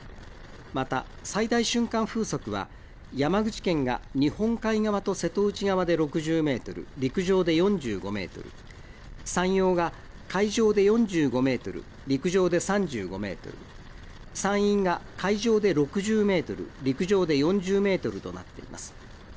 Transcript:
また最大瞬間風速は、山口県が日本海側と瀬戸内側で６０メートル、陸上で４５メートル、山陽が海上で４５メートル、陸上で３５メートル、山陰が海上で６０メートル、陸上で４０メートルとなっています。